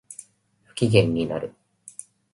不機嫌になる